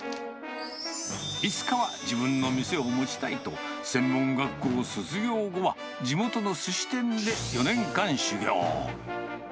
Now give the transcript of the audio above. いつかは自分の店を持ちたいと、専門学校卒業後は、地元のすし店で４年間修業。